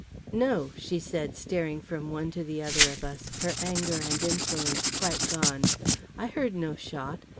"No," she said, staring from one to the other of us, her anger and insolence quite gone. "I heard no shot.